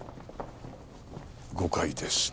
誤解です。